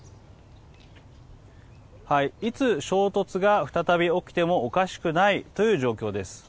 いつ衝突が再び起きてもおかしくないという状況です。